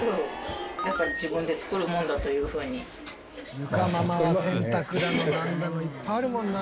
裕佳ママは洗濯だのなんだのいっぱいあるもんな。